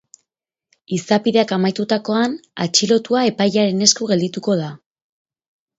Izapideak amaitutakoan, atxilotua epailearen esku geldituko da.